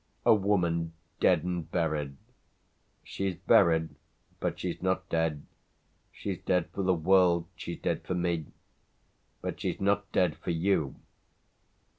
"A woman dead and buried!" "She's buried, but she's not dead. She's dead for the world she's dead for me. But she's not dead for _you.